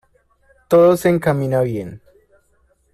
Todo se encaminaba bien.